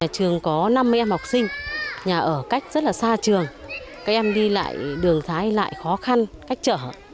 trường có năm em học sinh nhà ở cách rất là xa trường các em đi lại đường thái đi lại khó khăn cách trở